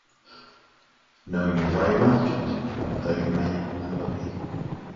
Know you very well, gentlemen, though you mayn’t remember me.